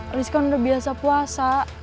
elis kan udah biasa puasa